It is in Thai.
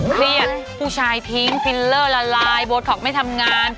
เครียดผู้ชายทิ้งฟิลเลอร์ละลายโบท็อกไม่ทำงาน